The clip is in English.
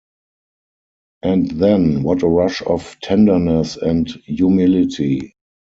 And then, what a rush of tenderness and humility!